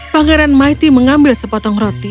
pangeran maiti mengambil sepotong roti